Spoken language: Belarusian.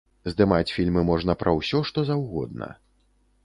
Здымаць фільмы можна пра ўсё, што заўгодна.